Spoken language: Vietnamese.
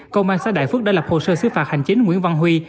công an xã đại phước đã lập hồ sơ xứ phạt hành chính nguyễn văn huy